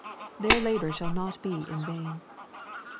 Their labor shall not be in vain.